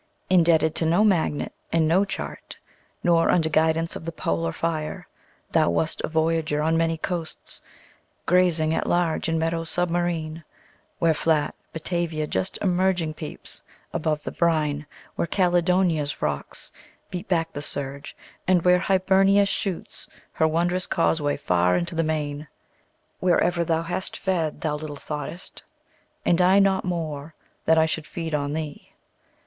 Indebted to no magnet and no chart, Nor under guidance of the polar fire, Thou wast a voyager on many coasts, Grazing at large in meadows submarine, Where flat Batavia just emerging peeps Above the brine, where Caledonia's rocks Beat back the surge, and where Hibernia shoots Her wondrous causeway far into the main. Wherever thou hast fed, thou little thought'st, And I not more, that I should feed on thee.